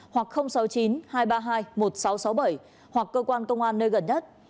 hoặc cơ quan công an nơi gần nhất